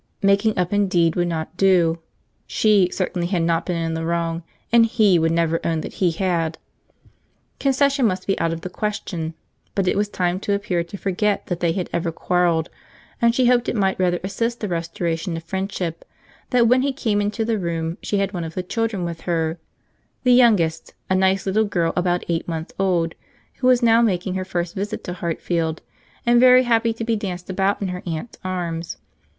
Making up indeed would not do. She certainly had not been in the wrong, and he would never own that he had. Concession must be out of the question; but it was time to appear to forget that they had ever quarrelled; and she hoped it might rather assist the restoration of friendship, that when he came into the room she had one of the children with her—the youngest, a nice little girl about eight months old, who was now making her first visit to Hartfield, and very happy to be danced about in her aunt's arms.